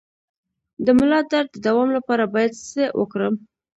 د ملا درد د دوام لپاره باید څه وکړم؟